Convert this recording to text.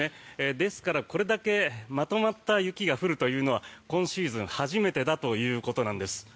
ですから、これだけまとまった雪が降るというのは今シーズン初めてだということなんです。